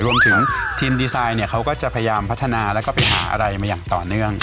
รวมถึงทีมดีไซน์เนี่ยเขาก็จะพยายามพัฒนาแล้วก็ไปหาอะไรมาอย่างต่อเนื่อง